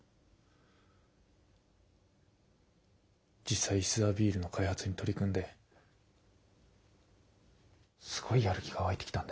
実際石沢ビールの開発に取り組んですごいやる気が湧いてきたんだよ。